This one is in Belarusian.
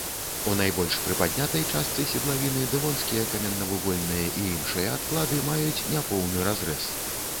У найбольш прыпаднятай частцы седлавіны дэвонскія, каменнавугальныя і іншыя адклады маюць няпоўны разрэз.